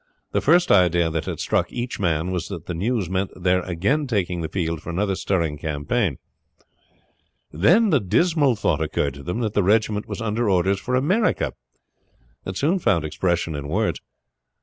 The first idea that had struck each man was that the news meant their again taking the field for another stirring campaign. Then the dismal thought occurred to them that the regiment was under orders for America. It soon found expression in words.